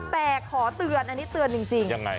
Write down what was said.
แต่ขอเตือนอันนี้เตือนจริงยังไง